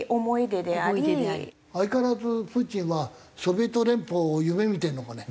相変わらずプーチンはソビエト連邦を夢見てるのかね？